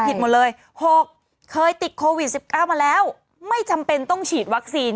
ผิดหมดเลย๖เคยติดโควิด๑๙มาแล้วไม่จำเป็นต้องฉีดวัคซีน